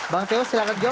bang teo silahkan jawab